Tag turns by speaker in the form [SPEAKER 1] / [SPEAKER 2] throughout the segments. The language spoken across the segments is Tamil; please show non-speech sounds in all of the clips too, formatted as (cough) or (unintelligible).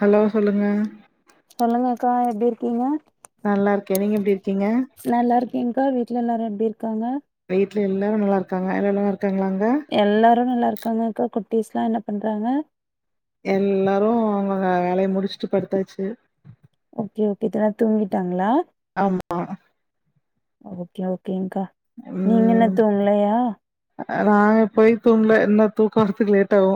[SPEAKER 1] ஹலோ சொல்லுங்க
[SPEAKER 2] சொல்லுங்கக்கா எப்டி இருக்கீங்க?
[SPEAKER 1] நல்லாருக்கே நீங்க எப்டி இரு
[SPEAKER 2] நல்லாருக்கேக்கா வீட்ல எல்லாரு எப்டி இரு க்காங்க?
[SPEAKER 1] வீட்ல எல்லாரு நல்லா இருக்காங்க எல்லா நல்லாரு
[SPEAKER 2] எல்லாரு நல்லாருக்காங்கக்கா குட் டீஸ்லா என்ன பண்றாங்க?
[SPEAKER 1] எல்லாரு அவுங்க வேலைய முடிச்ட்டு படுத்தாச்சு
[SPEAKER 2] ஓகே ஓகே (unintelligible) தூங்கிட்டாங்ளா?
[SPEAKER 1] ஆமா
[SPEAKER 2] ஓகே ஓ கேங்க்கா நீங்க இன்னு தூங்லயா?
[SPEAKER 1] நா எப்பயு தூங்ல இன்னு தூக்க வரறத்துக்கு லேட் ஆவு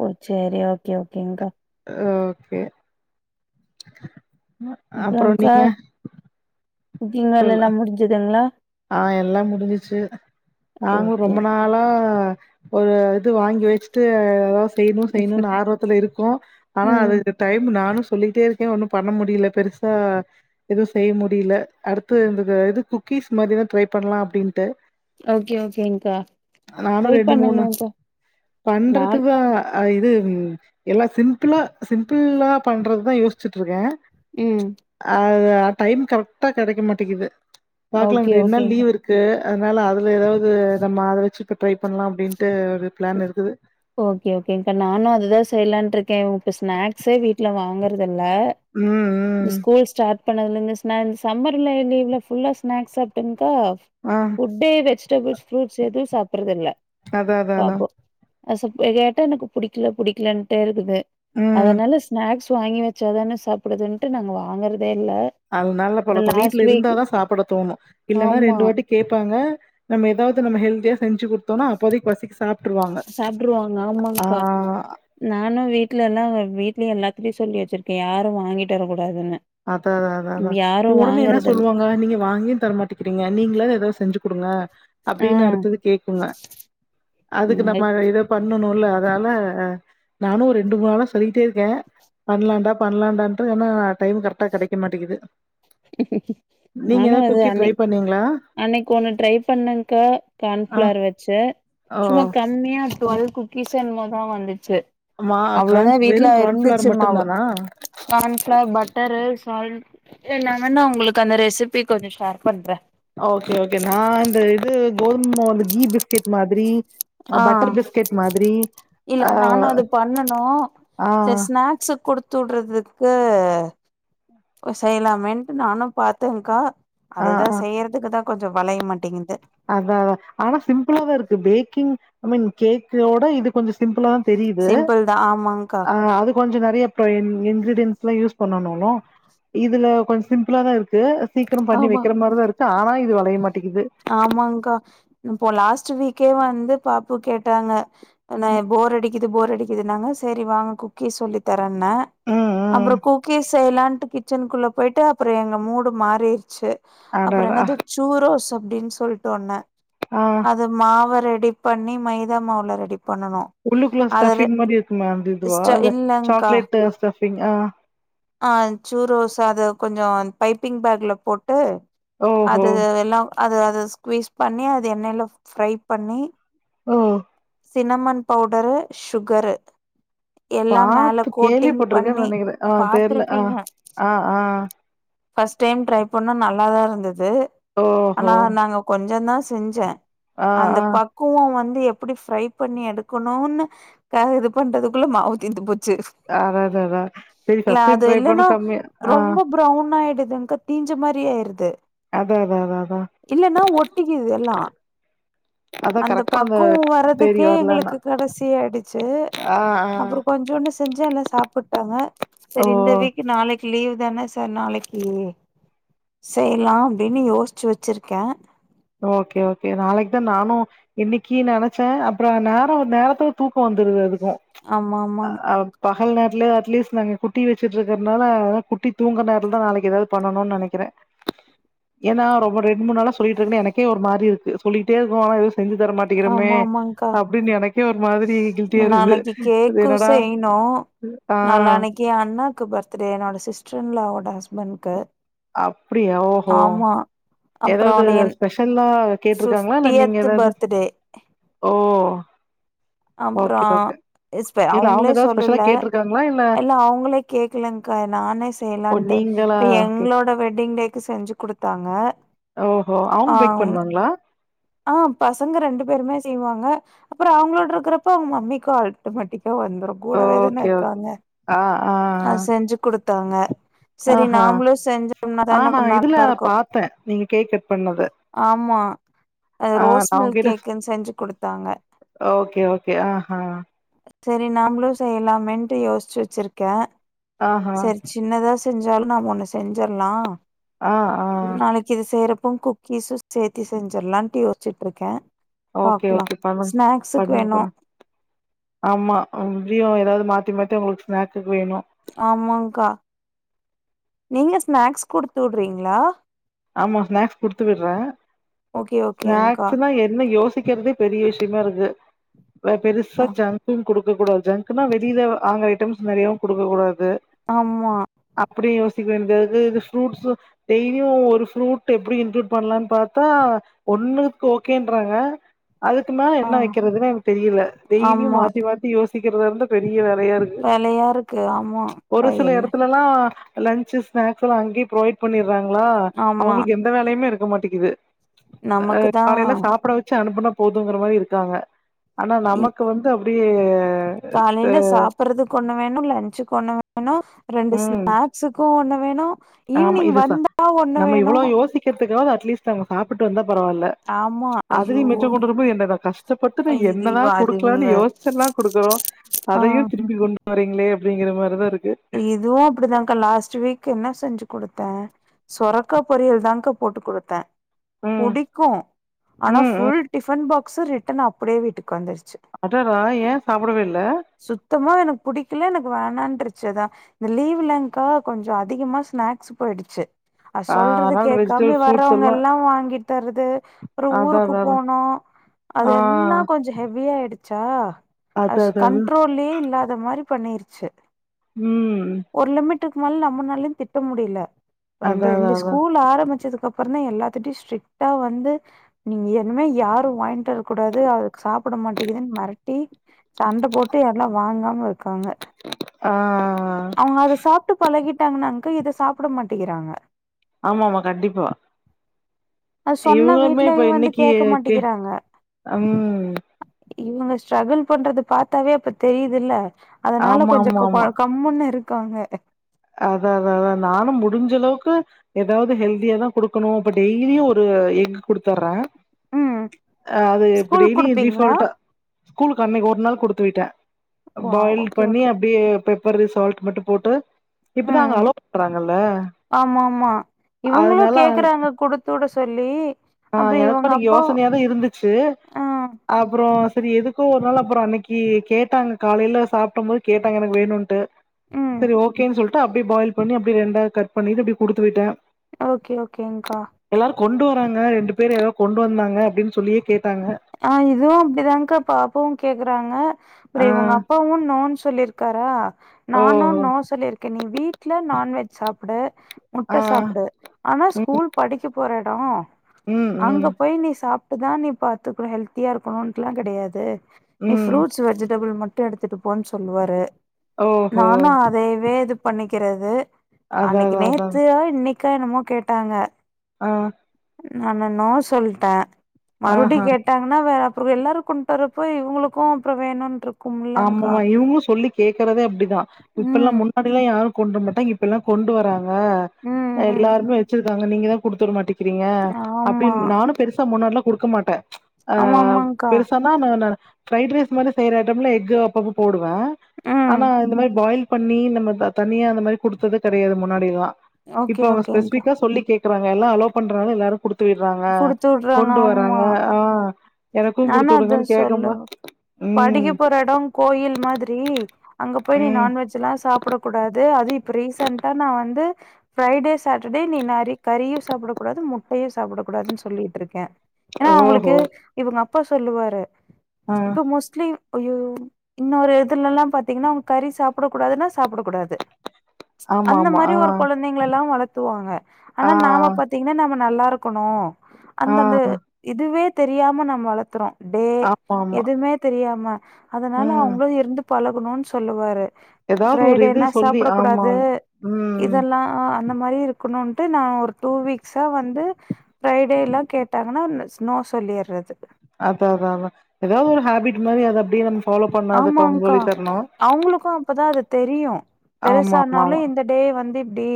[SPEAKER 2] ஓ சேரி ஓகே ஓகேங்க்கா
[SPEAKER 1] ஓகே அ அப்றொ
[SPEAKER 2] அப்றோங்க்கா
[SPEAKER 1] நீங்க
[SPEAKER 2] குக்கிங்
[SPEAKER 1] சொல்
[SPEAKER 2] வேலல்லா முடிஞ்சதுங்ளா?
[SPEAKER 1] ஆ எல்லாம் முடிஞ்சுச்சு நானு
[SPEAKER 2] ஓகே
[SPEAKER 1] ரொம்ப நாளா ஒரு இது வாங்கி வச்ட்டு யோ செய்னு செய்னுன் ஆர்வத்துல இருக்கு ஆனா
[SPEAKER 2] ம்
[SPEAKER 1] அதுக்கு டைமு நானு சொல்லிட்டே இருக்கே ஒன்னு பண்ண முடில பெருசா எதுவு செய்ய முடில அடுத்து இந்த இது குக்கீஸ் மாரிதா ட்ரை பண்லா அப்டின்ட்டு
[SPEAKER 2] ஓகே ஓகேங்க்கா ட்ரை
[SPEAKER 1] நானும்
[SPEAKER 2] பண்ணுங்கக்கா நா
[SPEAKER 1] பண்றதுக்கு தான் அ இது ம் எல்லா சிம்பிளா சிம்பிள்ளா பண்றது தா யோசிச்சுட்ருக்கே
[SPEAKER 2] ம்
[SPEAKER 1] ஆனா டைம் கர்ட்டா கெடைக்க மாட்டிக்கிது பாக்லா
[SPEAKER 2] ஓகே
[SPEAKER 1] ஒரு ரெண் நாள்
[SPEAKER 2] ஓகேங்க்கா
[SPEAKER 1] லீவ் இருக்கு அதுனால அதுல எதாவ்து நம்ம அத வச்சு இப்ப ட்ரை பண்லா அப்டின்
[SPEAKER 2] ஓகே ஓகேங்க்கா நானு அதுதா செய்லான்ருக் கே இப்ப ஸ்நாக்ஸே வீட்ல வாங்குறது இல்ல
[SPEAKER 1] ம்,
[SPEAKER 2] இந்த
[SPEAKER 1] ம்.
[SPEAKER 2] ஸ்கூல் ஸ்டார்ட் பண்ணதுல இந்த ஸ்மன் சம்மர்ல லீவ்ல ஃபுல்லா ஸ்நாக்ஸ் சாப்ட்டுங்க் கா
[SPEAKER 1] ஆ
[SPEAKER 2] ஃபுட்டு வெஜ்டபுள்ஸ் ஃப்ரூட்ஸ் எது சா அறது இல்ல
[SPEAKER 1] அத அத அதா
[SPEAKER 2] அஸப் பு கேட்டா எனக்கு புடிக்கல புடிக்கலன்ட்டே இருக்குது
[SPEAKER 1] ம்.
[SPEAKER 2] அதனால ஸ்ந்னாக்ஸ் வாங்கி வச்சாதனே சாப்பிடுதுன்ட்டு நாங்க வாங்கறத
[SPEAKER 1] அது நல்ல பழக்கோ வீட்டுல
[SPEAKER 2] வீக்
[SPEAKER 1] இருந்தாாதா சாப்பிட தோணு இல்லைன்னா
[SPEAKER 2] ஆமா
[SPEAKER 1] ரெண்டு வாட்டி கேப்பாங்க நம்ம ஏதாவது நம்ம ஹெல்தியா செஞ்சு கொடுத்தோனா அப்போதக்குபசிக்கு சாப்ட்
[SPEAKER 2] சாப்பிட்ருவாங்க ஆமாங்க்கா நானு வீட் வீட்டுலலா வீ்ட்லயு எல்லாக்டயு சொல்லி வச்சிருக்கே யாரு வாங்கிட்டு வர கூடா
[SPEAKER 1] அதா அதா அதா அதா உடனே என்ன
[SPEAKER 2] வாங்கறதில்
[SPEAKER 1] சொல்லுவாங்க நீங்க வாங்கியுத்தரமாட்டேிக்கிறீங்க நீங்களே ஏதாவது செஞ்சு குடுங்க
[SPEAKER 2] ஆ
[SPEAKER 1] அப்டின்னு அடுத்தது கேக்குங்க அதுக்கு நம்ம இத பண்ணணு ல்ல அதால நானு ரெண்டும்முனாலா சொல்லிட்டேருக்கே பல்லாண்டா பல்லாண்டான்ட்டு எனா டைம் கரெக்டா கெடைக்க மாட்டிக்து
[SPEAKER 2] நானும் அது அன்னை
[SPEAKER 1] ட்ரை பண்ணீங்களா
[SPEAKER 2] அன்னைக்கோன்னு ட்ரை பண்ணேக்கா
[SPEAKER 1] ஆ
[SPEAKER 2] கான்ஃப்ளார் வச்சு
[SPEAKER 1] ஓ
[SPEAKER 2] சும்மாக்கம்மியா டுஆல் குக்கீஸ் என்மோதா வந்துச்சு
[SPEAKER 1] மா கான்
[SPEAKER 2] அவ்ளோதா
[SPEAKER 1] வெறு
[SPEAKER 2] வீட்டுல
[SPEAKER 1] கான்ஃபிளார்
[SPEAKER 2] இருந்துச்சு மாவு
[SPEAKER 1] மட்டுந்தானா
[SPEAKER 2] கான்புளோர் பட்டரு சால்ட் என்னாமனோ உங்களுக்கு அந்த ரெசிபி கொஞ்சோ ஷேர் பண்றே
[SPEAKER 1] போர் மோல்கி பிஸ்கெட் மாதிரி
[SPEAKER 2] ஆ
[SPEAKER 1] பட்டர் பிஸ்கெட் மாதிரி
[SPEAKER 2] இல்ல
[SPEAKER 1] ஆ
[SPEAKER 2] நானோ அது பண்ணனு ச
[SPEAKER 1] ஆ
[SPEAKER 2] செ ஸ்நாக்ஸ்ஸ குடுத்துடுறதுக்கு செய்யலாமேன்ட் நானு பாத்தேங்க்கா
[SPEAKER 1] ஆ
[SPEAKER 2] அதுதா செய்யறதுக்குத்தா கொஞ்சோ வளையமாட்டேங்குது
[SPEAKER 1] அதாதா ஆனா சிம்பிலாதா இருக்கு பேக்கிங்மின் கேக்கோட இது கொஞ்சோ சிம்பிளா தெரியுது
[SPEAKER 2] சிம்பிள் தா ஆமாங்க்கா
[SPEAKER 1] அ அது கொஞ்ச நெறைய ட்ரைன்கின் இன்க்ரீடியன்ஸ்லா யூஸ் பண்ணணாலு இதுல கொஞ்ச சிம்பிளாதா இருக்கு டு சீக்கிரோ பண்ணி
[SPEAKER 2] ஆமா
[SPEAKER 1] வைக்கிற மார்தா இருக்கு ஆனா இது வளைய மாட்டேங்து
[SPEAKER 2] ஆமாங்க்கா இப்போ லாஸ்ட்டு வீக்கே வந்து பாப்பு கேட்டாங்க என்னா போர் அடி க்கிது போரடிக்கிதுன்னாங்க சேரி வாங்க குக்கீஸ் சொல்லித்தரன்னே
[SPEAKER 1] ம்
[SPEAKER 2] அப்றொ
[SPEAKER 1] ம்
[SPEAKER 2] குக்கீஸ் செய்லான்ட்டு கிச்சன்குள்ள போய்ட்டு அப்றொ எங்க மூடு மா றீர்ச்சு அப்புற
[SPEAKER 1] அடடா
[SPEAKER 2] என்னது சூரோஸ் அ ப்டின் சொல்ட்டு ஒன்னு
[SPEAKER 1] ஆ
[SPEAKER 2] அது மாவ ரெ டி பண்ணி மைதாமாவுல ரெடி பண்ணனு
[SPEAKER 1] உள்ளுக்குள்ள
[SPEAKER 2] அத ரெ
[SPEAKER 1] ஸ்டஃபிங் மாரி இருக்கு மே அந்த இதுவா
[SPEAKER 2] ஸ்ட
[SPEAKER 1] இல்ல
[SPEAKER 2] இல்லங்க்கா
[SPEAKER 1] சாக்லேட்டு ஸ்டஃபிங் ஆ
[SPEAKER 2] ஆ சூரோஸ் அத கொஞ்சோ அந் பைப்பிங் பேக்ல போட் டு
[SPEAKER 1] ஓஹோ
[SPEAKER 2] அது எல்லா அத அத ஸ்க்வீஸ் பண்ணி அது எண்ணெய்ல ஃப்ரை பண்ணி
[SPEAKER 1] ம்
[SPEAKER 2] சின்னமன் பவுடரு ஷுகரு
[SPEAKER 1] பாத்து கேள்விபட்ருக்கேன் நெனக்கிறே அ தெர்ல அ
[SPEAKER 2] பாத்திருப்பீங்க
[SPEAKER 1] அ அ
[SPEAKER 2] ஃபஸ்ட் டைம் ட்ரை பண்ணோ நல்லாதா இருந்த து
[SPEAKER 1] ஓஹோ
[SPEAKER 2] ஆனா நாங்க கொஞ்சந்தா செஞ்சே
[SPEAKER 1] ஆ
[SPEAKER 2] அந்த
[SPEAKER 1] ஆ
[SPEAKER 2] பக்குவொ வந் து எப்புடி ஃப்ரை பண்ணி எடுக்கனூன்னு க இது பண்றதுக்குள்ள மாவு தீந்து போ
[SPEAKER 1] அடடடா சேரி ஃபஸ்ட் டைம்
[SPEAKER 2] அது
[SPEAKER 1] ட்ரை பண்ண கம்மியா ஆ
[SPEAKER 2] துங்க்கா தீஞ்ச மாரி ஆயிருது
[SPEAKER 1] அதா அதா அதா அதா
[SPEAKER 2] இல்லனா ஒட்டிக்கிது எல்லா
[SPEAKER 1] அதா
[SPEAKER 2] அந்த
[SPEAKER 1] கரெக்டா
[SPEAKER 2] பக்கவொ
[SPEAKER 1] தேதி
[SPEAKER 2] வரதுக்கே
[SPEAKER 1] வரலன்னா
[SPEAKER 2] எங்களுக்கு கடைசி ஆயிடுச்சு
[SPEAKER 1] ஆ ஆ
[SPEAKER 2] அப்றொ கொஞ்சோன்னு செஞ்சோ எல்லா சாப்புட்டாங்க
[SPEAKER 1] ஓ
[SPEAKER 2] சேரி இந்த வீக்கு நாளை க்கி லீவ் தானே சோ நாளைக்கி செய்லா அப்டின்னு யோசுச்சு வச்சுருக்கே
[SPEAKER 1] ஓகே ஓகே நாளைக்கு தா நானு இன்னக்கி நெனச்சே அப்றொ நேர நேரத்துல தூக் கொ வந்துருது எதுக்கு
[SPEAKER 2] ஆமா ஆமாங்
[SPEAKER 1] அ பகல் நேர க்ல அட்லிஸ் நாங்க குட்டி வச்சுட்ருக்கற்னால அத குட்டி தூங்கர் நேர தா நாளைக்கு எதாது பண்ணனுன் நனைக்கிறே ஏன்னா ரொம்ப ரெண் மூண் நால சொல்லி ட்ருக்குனு எனக்கே ஒரு மாரி இருக்கு சொல்லிட்டே இருக்கோ ஆன எது செஞ்சு தர மாட்டிக்கிறமே அப்டின்னு எனக்
[SPEAKER 2] நாளக்கி
[SPEAKER 1] இது
[SPEAKER 2] கேக்கு
[SPEAKER 1] என்னடா
[SPEAKER 2] செய்னு
[SPEAKER 1] ஆ
[SPEAKER 2] நாளான்னக்கி எ அண்ணாக்கு பர்த்டே என்னோட சிஸ்ட்ரின்லா வோட ஹஸ் பன்ட்கு
[SPEAKER 1] அப்டியா ஓஹோ
[SPEAKER 2] அப்றோ
[SPEAKER 1] எதாவ்து
[SPEAKER 2] என்
[SPEAKER 1] ஸ்பெஷல்லா கேட்ருக்காங்களா இல்ல நீங்க
[SPEAKER 2] ஃபிஃப்டியத்
[SPEAKER 1] எதாவ்து
[SPEAKER 2] பர்த்டே
[SPEAKER 1] ஓ
[SPEAKER 2] அப்றோ
[SPEAKER 1] ஓகே ஓகே
[SPEAKER 2] ஸ்பெ
[SPEAKER 1] இல்ல அவங்க
[SPEAKER 2] அவுங்களே
[SPEAKER 1] ஏதாவது ஸ்பெஷலா
[SPEAKER 2] சொல்லல
[SPEAKER 1] கேட்ருக்காங்களா
[SPEAKER 2] இல்ல அவுங்களே கேக்கலங்க்கா நானே
[SPEAKER 1] ஓ
[SPEAKER 2] செய்யலான்ட்டு
[SPEAKER 1] நீங்களா
[SPEAKER 2] இப்ப
[SPEAKER 1] கே
[SPEAKER 2] எங்களோட வெட்டிங் டே க்கு செஞ்சு குடுத்தாங்க
[SPEAKER 1] ஓஹோ அவங்க
[SPEAKER 2] ஆ
[SPEAKER 1] பேக் பண்ணுவாங்களா
[SPEAKER 2] ஆ பசங்க ரெண்டு பேருமே செய்வாங் க அப்பறொ அவுங்ளோட்ருக்குறப்ப அவுங்க மம்மிக்கு ஆல்ட்டோமேட்டிக் கா வந்துரு கூடவே தான
[SPEAKER 1] ஓகே ஓகே
[SPEAKER 2] இருக்காங்க
[SPEAKER 1] ஆ ஆ
[SPEAKER 2] அ செஞ்சு குடுத் தாங்க
[SPEAKER 1] ஆ
[SPEAKER 2] செரி
[SPEAKER 1] ஆஹா
[SPEAKER 2] நாம்ளு செஞ்சு
[SPEAKER 1] ஆ நா
[SPEAKER 2] (inaudible)
[SPEAKER 1] இதுல
[SPEAKER 2] நல்லாருக்கு
[SPEAKER 1] பாத்தே நீங்க கேக் கட் பண்ணது
[SPEAKER 2] ஆமா அ
[SPEAKER 1] ஆ
[SPEAKER 2] ரோஸ்
[SPEAKER 1] நா
[SPEAKER 2] மில்க்
[SPEAKER 1] உங்ககிட்ட
[SPEAKER 2] கேக்குன் செஞ்சு குடுத்தாங்க
[SPEAKER 1] ஓகே ஓகே ஆஹா
[SPEAKER 2] மென்ட்டு யோச்சு வச்சுருக்கே
[SPEAKER 1] ஆஹா
[SPEAKER 2] செர் சின்னதா செஞ்சாலு நம் ஒன்னு செஞ்சுர்லா
[SPEAKER 1] ஆ ஆ
[SPEAKER 2] நாளைக்கிது செய்றப் போ குக்கீஸு சேத்தி செஞ்சுர்லான்ட்டு யோச்சிட்ருக்கே
[SPEAKER 1] ஓகே ஓகே பண்ணுங்
[SPEAKER 2] வேணு
[SPEAKER 1] (unintelligible) ஆமா அங்கியு எதாவ்து மாத் தி மட்டு உங்களுக் ஸ்நாக்
[SPEAKER 2] ஆமாங்க்கா நீங்க ஸ்நாக்ஸ் குடுத்துவுட்றீங்ளா?
[SPEAKER 1] ஆமா ஸ்நாக்ஸ் குடுத்து விட்றே
[SPEAKER 2] ஓகே ஓகேங்க்கா
[SPEAKER 1] ஸ்நாக்ஸுன்னா என்ன யோ சிக்கிற்தே பெரிய விஷ்யமா இருக்கு நா பெருசா
[SPEAKER 2] அ
[SPEAKER 1] ஜங்க்கு குடுக்க கூடாது ஜன்குனா வெளிய வாங்ர ஐட்டம்ஸ் நிறையவு கொடுக்க கூடாது
[SPEAKER 2] ஆமா
[SPEAKER 1] து அப்டியு (unintelligible) ஃப்ரூட்ஸும் டய்லியு ஒரு ஃப்ரூட் எப்டி இன்களூட் பண்ணலாம்னு பாத்தா ஒன்னுக்கு ஓகேன்றாங்க அதுக்கு மேல
[SPEAKER 2] ஆ
[SPEAKER 1] என்ன வைக்கிறதுன்னு எனக்கு தெரியல டெய்லியு
[SPEAKER 2] ஆமா
[SPEAKER 1] மாத்தி மாத்தி யோஸ் சிகறது இருந்து பெரி வேறையா இருக்கு
[SPEAKER 2] வேலையா இருக்கு
[SPEAKER 1] ஒரு
[SPEAKER 2] ஆமாக்கா
[SPEAKER 1] சில
[SPEAKER 2] என்ன
[SPEAKER 1] எடத்துலல்லா லன்ச் ஸ்நாக்ஸ் எலா அங்கய ப்ரொவைட் பண்ணிரு தாங்ளா
[SPEAKER 2] ஆமா
[SPEAKER 1] அவங்களுக்கு எந்த வேலையுேமே இருக்க மாட்டேக் இது அ
[SPEAKER 2] நமக்கு தா
[SPEAKER 1] காலைல சாப்ட வச்சு அனுப்புனா போதுங்கற மாரி இருக்காங்க ஆனா
[SPEAKER 2] இ
[SPEAKER 1] நமக்கு வந்து அப்டி இயே
[SPEAKER 2] காலைல சாப்பறதுகு ஒண்ணு வேணு லன்ஞ்சுகு ஒண்ணு வேணு ரெண்டு
[SPEAKER 1] ம்
[SPEAKER 2] ஸ்நாக்ஸுக்கு ஒண்ணு வேணு
[SPEAKER 1] ஆமா
[SPEAKER 2] ஈவினிங் வந்தா ஒண்ணு வேணு
[SPEAKER 1] துக்லா அட்லீஸ்ட் அங்க சாப்டு வந்தா பரவால்ல
[SPEAKER 2] ஆமா ஐயோ
[SPEAKER 1] அதுலயு மிச்ச கொண்டு வர போது கஷ்டப்பட்டு
[SPEAKER 2] இது
[SPEAKER 1] என்னதா
[SPEAKER 2] இவ அது
[SPEAKER 1] கொடுக்கலா
[SPEAKER 2] இவுங்க
[SPEAKER 1] யோசிச்சு தா கொடுக்கறோ
[SPEAKER 2] ஆ
[SPEAKER 1] அதையு திருப்பி கொண்டு போரிங்ளே அப்டிங்கிற மாரிதா இருக்கு
[SPEAKER 2] இதுவு அப்டிதான்க்கா லாஸ்ட் வீக் என்ன செஞ்சு கொடுத்தே சொரக்கா பொரியல் தான்கா போட்டு குடுத்தே
[SPEAKER 1] ம்
[SPEAKER 2] புடிக்கு ஆனா
[SPEAKER 1] ம் ம்
[SPEAKER 2] full tiffin box so return அப்படியே வீட்டுக்கு வந்துருச்சு ச்சு
[SPEAKER 1] அடடா ஏ சாப்டவே இல்ல
[SPEAKER 2] சுத்தமா எனக்கு புடிக்கல எனக்கு வேணான்னுடுருச் ச்சதா இந்த லீவ்லங்க்கா கொஞ்சோ அதிகமா ஸ்நாக்ஸ் போயிடுச்சு அது
[SPEAKER 1] ஆ
[SPEAKER 2] சொல்றது
[SPEAKER 1] அதனால
[SPEAKER 2] கேட்காம
[SPEAKER 1] வெஜிடபிள் ஃப்ரூட்ஸ்
[SPEAKER 2] வர்றவங்க எல்லா வாங்கிட்டு தர்றது ஒரு
[SPEAKER 1] அதா
[SPEAKER 2] ஊருக்கு
[SPEAKER 1] அதா அதா
[SPEAKER 2] போனோ அது
[SPEAKER 1] ஆ
[SPEAKER 2] எல்லா கொஞ்சோ ஹெவியா ஆய்டுச் ச்சா
[SPEAKER 1] அது
[SPEAKER 2] அஸ்
[SPEAKER 1] அது அது
[SPEAKER 2] கண்ட்ரோல்லயே இல்லாத மாதிரி பண்ணிருச்சு
[SPEAKER 1] ம்
[SPEAKER 2] ட்டுக்கு மேல நம்மளாலயு திட்ட முடில
[SPEAKER 1] அதா
[SPEAKER 2] றந்தது
[SPEAKER 1] அதா
[SPEAKER 2] இந்த
[SPEAKER 1] அதா
[SPEAKER 2] ஸ்கூல் ஆரம்பிச்சதுக்கு அதுக்கப்புறோ தா எல்லாத்திட்டையு ஸ்ட்ரிக்டா வந்து நீங்க என்னிமே யாரும் வாங்கிட்டு வரக்கூடாது அவருக்கு சாப்பிட மாட்டேங்கிதுன்னு மிரட்டி சண்டை போட்டு எல்லா வாங்காம இருக்காங்க
[SPEAKER 1] ஆ
[SPEAKER 2] அவங்க அத சாப்பிட்டு பழகிட் ட்டாங்கன்னக்க இத சாப்பிட மாட்டேங்கிறாங்க
[SPEAKER 1] ஆமா ஆமா கண்டிப்பா
[SPEAKER 2] அது சொன்னா
[SPEAKER 1] இவங்களுமே
[SPEAKER 2] வீட்லயு
[SPEAKER 1] இப்ப
[SPEAKER 2] வந்து
[SPEAKER 1] இன்னைக்கு
[SPEAKER 2] கேக்க
[SPEAKER 1] கே
[SPEAKER 2] மாட்டேங்கிறாங்க
[SPEAKER 1] ம்
[SPEAKER 2] இவங்க ஸ்ட்ரகுள் பண்றது பார்த்தாவே அப்ப தெரியுது இல்ல அதனால
[SPEAKER 1] ஆமா
[SPEAKER 2] கொஞ்ச
[SPEAKER 1] ஆமா ஆமா
[SPEAKER 2] (unintelligible) கம்முன்னு இருக்கு க்காங்க
[SPEAKER 1] அதா அத அதா நானு முடிஞ்சளவுக்கு ஏதாவது ஹெல்தியா தா கொடுக்கணு அப்ப டெய்லியு ஒரு எக் கொடுட்த்தர்றே
[SPEAKER 2] ம்
[SPEAKER 1] அ அது
[SPEAKER 2] ஸ்கூல்
[SPEAKER 1] எப்டய்லியு
[SPEAKER 2] குடுப்பீங்களா
[SPEAKER 1] டீஃபால்ட்டா ஸ்கூலுக்கு அன்னைக்கு ஒரு நாள் கொடுத்து விட்டே
[SPEAKER 2] வாவ்
[SPEAKER 1] பாயில்
[SPEAKER 2] ஓகே
[SPEAKER 1] பண்ணி
[SPEAKER 2] ஓகே
[SPEAKER 1] அப்படியே பய் ப்பர் சால்ட் மட்டு போட்டு இப்பதா அங்க
[SPEAKER 2] ம்
[SPEAKER 1] அலோ பண்றாங்கல்ல
[SPEAKER 2] ஆமாமா இவங்களு
[SPEAKER 1] அதனால
[SPEAKER 2] கேக்குறாங்க குடுத்துட சொ சொல்லி
[SPEAKER 1] ஆ
[SPEAKER 2] அப்றோ
[SPEAKER 1] எனக்கு
[SPEAKER 2] இவங்க
[SPEAKER 1] அனிக்கு
[SPEAKER 2] அப்பா
[SPEAKER 1] யோசனையாதா இருந்துச்சு
[SPEAKER 2] ஆ
[SPEAKER 1] அப்புறோ சரி எதுக்கோ ஒரு நாள் அப்புறோ அன்னைக்கு கேட்டாங்க காலையில சாப்பிடு போது கேட்டாங்க எனக்கு வேணும்ன்ட்டு
[SPEAKER 2] ம்
[SPEAKER 1] சரி ஓகேன்னு சொல்லிட் அப் அப்படி பாயில் பண்ணி அப்படி ரெண்ட க் பண்ணிட்டு அப்டி குடுத்து விட்டே
[SPEAKER 2] ஓகே ஓகேங்க்கா
[SPEAKER 1] எல்லாரு கொண்டு வராங் ரெண்டு பேர் ஏதாவோ கொண்டு வந்தாங்க அப்படின்னு சொல்லியே கேட்
[SPEAKER 2] ஆ இதுவு அப்படிதான்கா பாப்பாவு கேக்குறாங்க அப்புறோ
[SPEAKER 1] ஆ
[SPEAKER 2] இவங்க அப்பாவாவும்ண்ணோன்னு சொல்லியிருக்காரா நானு
[SPEAKER 1] ஓஹோ
[SPEAKER 2] நோ சொல்லி இருக்கே நீ வீட்ல நா ன்வெஜ் சாப்பிட முட்ட
[SPEAKER 1] ஆ
[SPEAKER 2] சாப்பிடுவே ஆனா
[SPEAKER 1] ம்
[SPEAKER 2] ஸ்கூல் படிக்க போராட்டோ
[SPEAKER 1] ம்
[SPEAKER 2] அங்க
[SPEAKER 1] ம்
[SPEAKER 2] போய் நீ சாப் அதானி நீப்பாத் த்துக்கு ஹெல்த்தியா இருக்குன்னுட் கெடையாது நீ
[SPEAKER 1] ம்
[SPEAKER 2] ஃப்ரூட்ஸ் வெஜிடெபுள் மட் விட்டு எடுத்துட்டு போன்னு சொல்லுவாரு
[SPEAKER 1] ஓஹோ
[SPEAKER 2] நானு அதயவே இதுப் பண்ணிக்கிறது
[SPEAKER 1] அதா
[SPEAKER 2] அன்னைக்கு
[SPEAKER 1] அதா அதா
[SPEAKER 2] நேத்து அ இன்னைக் க்க என்னமோ கேட்டாங்க
[SPEAKER 1] ஆ
[SPEAKER 2] நான நோ சொல்ட்டே
[SPEAKER 1] ஆஹா
[SPEAKER 2] மறுபடியு கேட்டாங்கன்னா வேறப் பிறவு எல்லாருக் கொண்டு வறப்போ இவுங்களுக்கு அப்பறம் வேணுன்று இருக்
[SPEAKER 1] ஆமாமமா இவங்கு சொல்லி கேக்குறதே அப்டிதா இப்ப எல்லா
[SPEAKER 2] ம்
[SPEAKER 1] முன்னாடி எல்லா யாரு கொண்டு (unintelligible) த இப்பெல்லா கொண்டு வராங்க அ
[SPEAKER 2] ம் ம்
[SPEAKER 1] எல்லாருமே வச்சுருக் ங்க நீங்க தா குடுத்து விட மாட்டீங்க இருக்கிறீங்க
[SPEAKER 2] ஆமா
[SPEAKER 1] அப்டின்னு நானு பெருசா முன்னாடில குடுக்க மாட்டே ச் ஆ
[SPEAKER 2] ஆமா ஆமாங்க்கா
[SPEAKER 1] பெருசானா நந ஃப்ரைட் ரைஸ் மடு செய்றே ட்ரம்ல எஃகு அப்ப அப்ப போடு இப்ப
[SPEAKER 2] ம்
[SPEAKER 1] ஆனா இந்த மாரி பாயில் பண்ணி நம்ம தனியா அந்த மாரி குடுத்தது கெடையாது முன்னாடில்லா இப்ப
[SPEAKER 2] ஓகே
[SPEAKER 1] அவ
[SPEAKER 2] ஓகேங்க்கா
[SPEAKER 1] ஸ்பெசிபிக்கா சொல்லி கேக் நீங்க எல்லா அலோ பண்றாங்க எல்லாரு குடுத் த்து விடுறாங்க
[SPEAKER 2] குடுத்து விடுறாங்க
[SPEAKER 1] கொண்டு வறாங்க
[SPEAKER 2] ஆமா
[SPEAKER 1] ஆ எனக்கு
[SPEAKER 2] நானு
[SPEAKER 1] குடுத்துடுங்கன் கேக்கமா ம்
[SPEAKER 2] இந்த எடோங் கோயில் மாதிரி அங்க போய் நீ
[SPEAKER 1] ம்
[SPEAKER 2] நான்வெஜ் எல்லா சாப்புடக் கூடாது அது இப் இப்ப ரீசண்டா நா வந்து ஃப்ரைடே சாட்டடே நீ நறையா கறியு சாப்புடக் கூடாது முட்டையு சாப்புட கூடாதுன் சொல்லிட்ருக்க ஏனா அவங்களுக்கு
[SPEAKER 1] ஓஹோ
[SPEAKER 2] எங்க அப்பா சொல்லுவாரு
[SPEAKER 1] ஆ
[SPEAKER 2] இப்போ மோஸ்ட்லியு ஐயையோ இன்னா ஒரு இதுல எல்லாம் பாத்தீங்கன்னா அவங்க கறி சாப்புட கூடாதுன்னா சாப்புடக் கூடாது
[SPEAKER 1] ஆமா
[SPEAKER 2] அந்த
[SPEAKER 1] ஆமா
[SPEAKER 2] மாரி ஒரு
[SPEAKER 1] ஆ
[SPEAKER 2] கொழந்தைங்கள எல்லா வளத்துவாங்க ஆனா
[SPEAKER 1] ஆ
[SPEAKER 2] நாம பாத்தீங்கன்னா நம்ம நல்லாருக்கணு
[SPEAKER 1] ஆ
[SPEAKER 2] அந்தந்த இதுவே தெரியா ம நம்ம வளத்துறோ டே
[SPEAKER 1] ஆமா ஆமா
[SPEAKER 2] எதுமே தெரியாம் ம அதனால அவங்களு இருந்துப் பழகணுன் சொல்லுவாரு
[SPEAKER 1] எதாவது ஒரு இது
[SPEAKER 2] ஃப்ரைடேனா
[SPEAKER 1] சொல்வி
[SPEAKER 2] சாப்பிடக்
[SPEAKER 1] ஆமா
[SPEAKER 2] கூடாது
[SPEAKER 1] ஆம் ம்
[SPEAKER 2] இதெல்லா அந்த மாரியு இருக்கணுன்ட்டு நா ஒரு டூ வீக்ஸா வந்து ஃப்ரைடே எல்லா கேட்டாங்கன்னா ஸ்னோ சொல்லிர்றத்
[SPEAKER 1] அதா அதா அதா எதாவது ஒரு ஹேபிட்டு மாரி அது அப்டியே நம்
[SPEAKER 2] ஆமாங்கா அவங்களுக்கு அப்பதா அது தெரியு
[SPEAKER 1] ஆமா ஆமா
[SPEAKER 2] பெருசானாலு
[SPEAKER 1] ஆமா
[SPEAKER 2] இந்த டே வந்து இப் இப்டி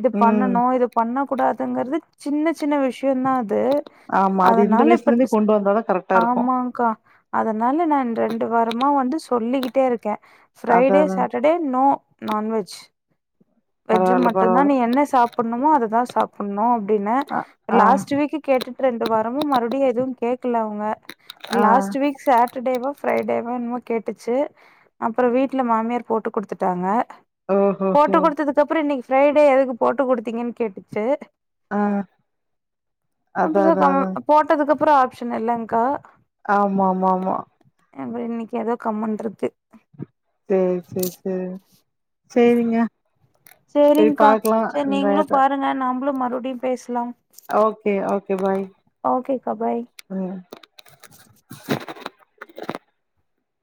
[SPEAKER 2] இது
[SPEAKER 1] ம்
[SPEAKER 2] பண்ணனு இது பண்ணக் கூடாதுங்குறது சின்ன சின்ன விஷ்யோந்தா அத்
[SPEAKER 1] ஆமா அது இந்த வயிசுல இருந்தே கொண்டு வந்தாதா கரெட்டா இருக்கு
[SPEAKER 2] ஆமாக்கா அதனால நான் ரெண்டு வார் வாரமா வந்து சொல்லிக்கிட்டே இருக்க ஃப்ரை
[SPEAKER 1] அதா
[SPEAKER 2] டே
[SPEAKER 1] அதா
[SPEAKER 2] Saturday no non veg veg
[SPEAKER 1] பரவால்ல
[SPEAKER 2] மட்டுதா
[SPEAKER 1] பரவால்ல
[SPEAKER 2] நீ என்ன சாப்டணுமோ அததா சாப் சொன்னோ அப்படினா
[SPEAKER 1] ஆ ஆ
[SPEAKER 2] லாஸ்ட் வீக் கேட்டுட்டு ரெண்டு வாரமு மறுபடியு எதும் கேக்ல அவுங்க
[SPEAKER 1] ஆ
[SPEAKER 2] லாஸ்ட் வீக் சாட்டர்டேவ ப்ரைடேப் அ என்னமோ கேட்டுச்சு அப்பறம் வீட்ல மாமியார் போட்டு குடுத்துட்டாங்க
[SPEAKER 1] ஓஹோஹோ
[SPEAKER 2] போட்டு குடுத்ததுக்கு அப்பறம் இன்னைக் ஃப்ரைடே எதுக்கு போட்டு குடுத்தீங்கன்னு கேட்டுச்சு
[SPEAKER 1] ஆ அதா
[SPEAKER 2] அப்பற
[SPEAKER 1] அதா
[SPEAKER 2] க
[SPEAKER 1] அதா
[SPEAKER 2] போட்டதுக்குப் அப்புற ஆப்ஷன் இல்லங்க்கா
[SPEAKER 1] ஆமா ஆமா ஆமா
[SPEAKER 2] இன்னைக்கு எதோ கம்முன்றுக்கு
[SPEAKER 1] ம் செரி செரி சேரிங்க சேரி
[SPEAKER 2] சேரிங்கா
[SPEAKER 1] பாக்கலா
[SPEAKER 2] செரி நீங்களு பாருங்க நம்பளு ம லுடி பேசலா
[SPEAKER 1] ஓகே ஓகே பாய்
[SPEAKER 2] ஓகேக்கா பாய்
[SPEAKER 1] ம் (inaudible)